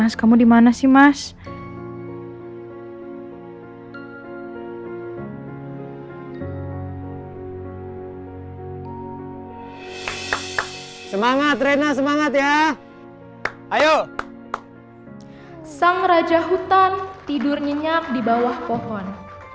singa sang rajah hutan pun tertidur dibawah pohon